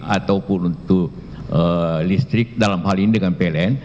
ataupun untuk listrik dalam hal ini dengan pln